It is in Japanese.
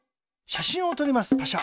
しゃしんをとりますパシャ。